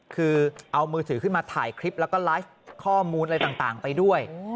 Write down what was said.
คือเอามือถือขึ้นมาถ่ายคลิปแล้วก็ไลฟ์ข้อมูลอะไรต่างไปด้วย